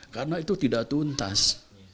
karena itu tidak tuntas